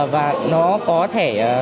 và nó có thể